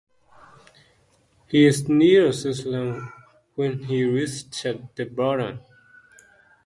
He is nearly senseless when he reaches the bottom.